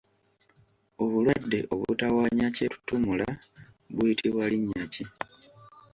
Obulwadde obutawaanya kyetutumula buyitibwa linnya ki?